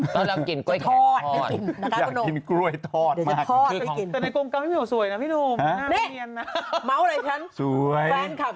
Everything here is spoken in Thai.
กล้วยแขกทอดอยากกินกล้วยทอดอยากกินกล้วยทอดเลยกิน